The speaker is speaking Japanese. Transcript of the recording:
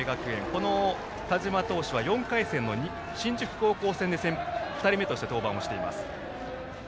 この田嶋投手は４回戦の新宿高校戦で２人目として登板しています。